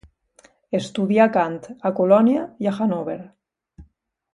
Estudià cant a Colònia i a Hannover.